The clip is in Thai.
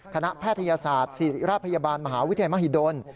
คณะแพทยศาสตร์สรภยาบาลมหาวิทยาลัยมหิดล